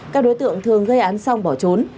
các đối tượng thường gây án xong bỏ trốn